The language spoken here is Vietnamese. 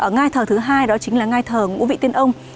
ngai thờ thứ hai đó chính là ngai thờ ngũ vị tiên ông